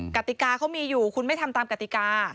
กติกาเขามีอยู่คุณไม่ทำตามกติกา